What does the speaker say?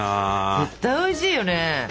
絶対おいしいよね！